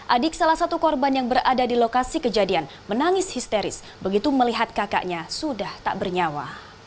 adik salah satu korban yang berada di lokasi kejadian menangis histeris begitu melihat kakaknya sudah tak bernyawa